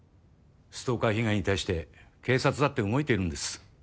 ストーカー被害に対して警察だって動いているんです。